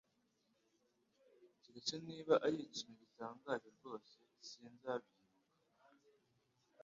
Keretse niba ari ikintu gitangaje rwose, sinzabyibuka